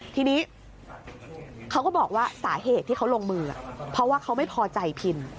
ทีนี้เขาก็บอกว่าสาเหตุที่เขาลงมือเพราะว่าเขาไม่พอใจพิน